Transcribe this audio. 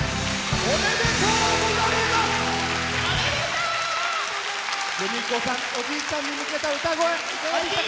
おめでとうございます。